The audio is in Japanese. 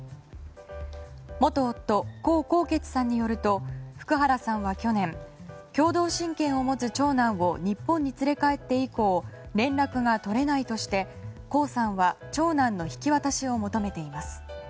元夫・江宏傑さんによると福原さんは去年共同親権を持つ長男を日本に連れ帰って以降連絡が取れないとして江さんは長男の引き渡しを求めています。